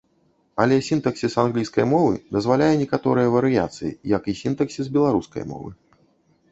Але сінтаксіс англійскай мовы дазваляе некаторыя варыяцыі, як і сінтаксіс беларускай мовы.